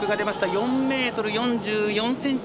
４ｍ４４ｃｍ。